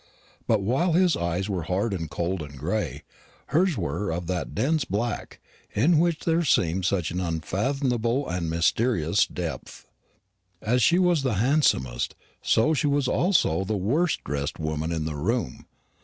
But while his eyes were hard and cold and gray, hers were of that dense black in which there seems such an unfathomable and mysterious depth. As she was the handsomest, so she was also the worst dressed woman in the room.